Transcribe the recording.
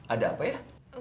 ada apa ya